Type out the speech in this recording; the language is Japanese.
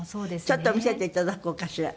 ちょっと見せて頂こうかしら。